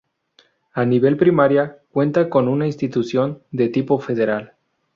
A nivel primaria cuenta con una institución de tipo federal.